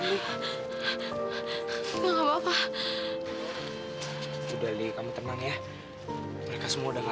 ini orang aslidas kamu gak teeny